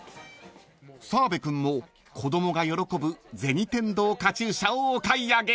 ［澤部君も子供が喜ぶ『銭天堂』カチューシャをお買い上げ］